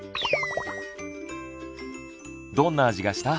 どんな味がした？